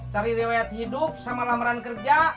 cari riwayat hidup sama lamaran kerja